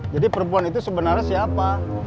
jadi perempuan itu sebenarnya siapa